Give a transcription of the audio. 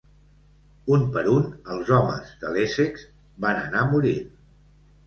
Un per un els homes de l'Essex van anar morint.